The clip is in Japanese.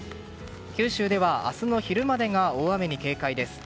九州では明日の昼までが大雨に警戒です。